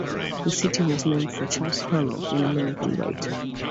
The city was named for Charles Hallock, an American writer.